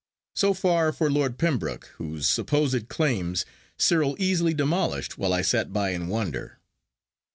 So far for Lord Pembroke, whose supposed claims Cyril easily demolished while I sat by in wonder.